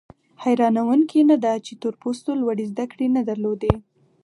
حیرانوونکي نه ده چې تور پوستو لوړې زده کړې نه درلودې.